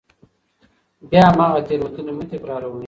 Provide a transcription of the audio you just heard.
بیا هماغه تېروتنې مه تکراروئ.